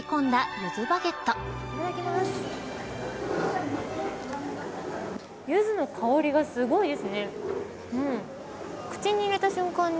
ユズの香りがすごいですね。